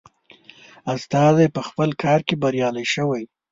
استازی په خپل کار کې بریالی شوی.